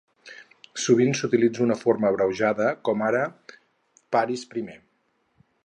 Sovint s'utilitza una forma abreujada, com ara "pHarris I".